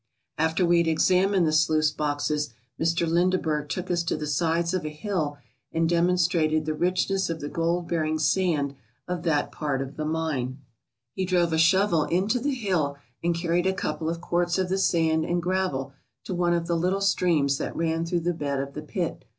After we had examined the sluice boxes, Mr. Linde berg took us to the sides of a hill and demonstrated the richness of the gold bearing sand of that part of the mine. He drove a shovel into the hill and carried a couple of quarts of the sand and gravel to one of the little streams that ran through the bed of the pit.